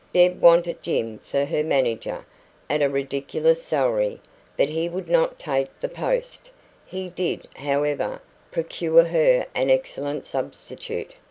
Deb wanted Jim for her manager, at a ridiculous salary, but he would not take the post; he did, however, procure her an excellent substitute.